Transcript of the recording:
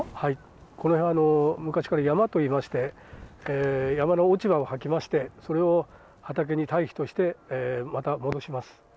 この辺は昔からヤマといいまして、ヤマの落ち葉を掃きまして、それを畑に堆肥としてまた戻します。